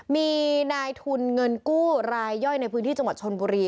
มีนายทุนเงินกู้รายย่อยในพื้นที่จังหวัดชนบุรี